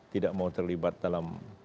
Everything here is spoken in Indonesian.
tidak mau terlibat dalam